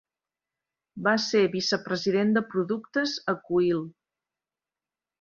Va ser vicepresident de productes a Cuil.